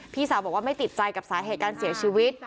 พี่สาวบอกว่าไม่ติดใจกับสาเหตุการเสียชีวิต